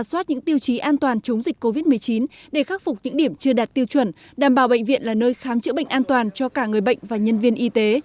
đặt những tiêu chí an toàn chống dịch covid một mươi chín để khắc phục những điểm chưa đạt tiêu chuẩn đảm bảo bệnh viện là nơi khám chữa bệnh an toàn cho cả người bệnh và nhân viên y tế